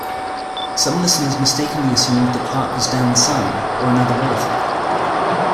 Some listeners mistakenly assumed that Clarke was Dan's son, or another relative.